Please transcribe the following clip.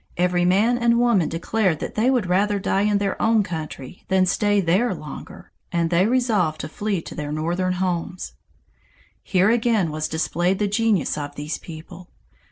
Every man and woman declared that they would rather die in their own country than stay there longer, and they resolved to flee to their northern homes. Here again was displayed the genius of these people.